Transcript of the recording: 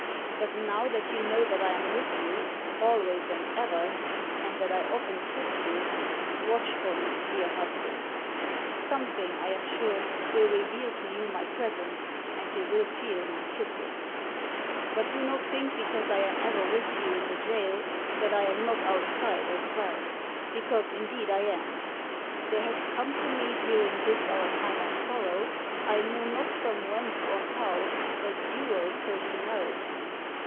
But, now that you know that I am with you, always and ever, and that I often kiss you, watch for me, dear husband. Something, I am sure, will reveal to you my presence, and you will feel my kisses, "* But do not think, because I am ever with you in the jail, that I am not outside as well — ^because indeed I am. There has come to me, during this our time of sorrow, I know not from whence or how, a dual personality.